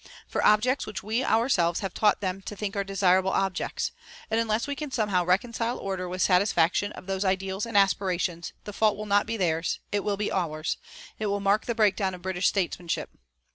For objects which we ourselves have taught them to think are desirable objects; and unless we can somehow reconcile order with satisfaction of those ideals and aspirations, the fault will not be theirs, it will be ours it will mark the breakdown of British statesmanship.'